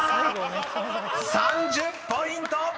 ［３０ポイント！］